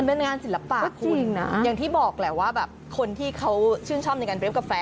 เป็นงานศิลปะคุณอย่างที่บอกแหละว่าแบบคนที่เขาชื่นชอบในการเรียบกาแฟ